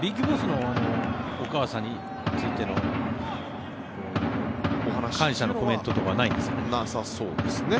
ＢＩＧＢＯＳＳのお母さんについての感謝のコメントとかないんですかね。